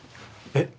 え？